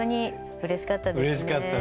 うれしかったね。